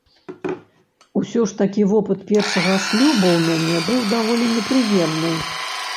Усё ж такі вопыт першага шлюбу ў мяне быў даволі непрыемны.